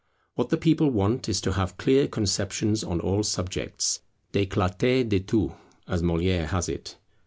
What the people want is to have clear conceptions on all subjects, des clartés de tout, as Molière has it.